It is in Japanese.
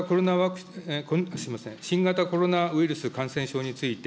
新型コロナウイルス感染症について、